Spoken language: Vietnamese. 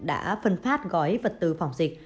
đã phân phát gói vật tử phòng dịch